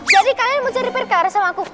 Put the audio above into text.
jadi kalian mau cari perkar sama aku